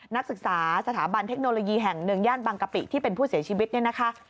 นักศึกษาสถาบันเทคโนโลยีแห่งหนึ่งย่านบางกะปิที่เป็นผู้เสียชีวิตเนี่ยนะคะ